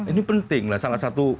ini penting salah satu